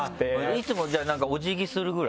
いつもじゃあお辞儀するぐらい？